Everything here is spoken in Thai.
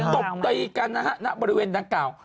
ตบตีกันนะครับบริเวณนางกาว